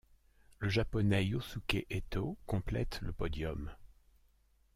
Le Japonais Yōsuke Etō complète le podium.